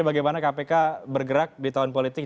bagaimana kpk bergerak di tahun politik